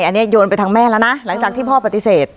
อันนี้โยนไปทางแม่แล้วนะหลังจากที่พ่อปฏิเสธ